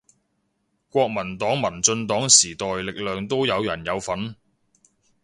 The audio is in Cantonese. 國民黨民進黨時代力量都有人有份